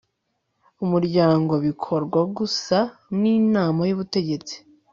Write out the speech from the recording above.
Umuryango bikorwa gusa n Inama y Ubutegetsi